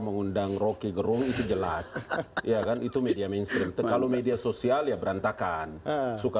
mengundang rocky gerung itu jelas ya kan itu media mainstream kalau media sosial ya berantakan suka